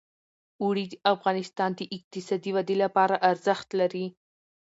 اوړي د افغانستان د اقتصادي ودې لپاره ارزښت لري.